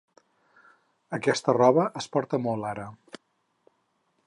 Aquesta roba es porta molt ara.